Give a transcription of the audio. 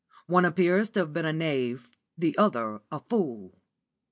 One appears to have been a knave, the other a fool.